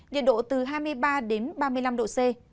nhiệt độ từ hai mươi ba đến ba mươi năm độ c